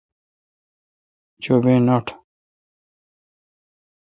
چو بی نوٹ۔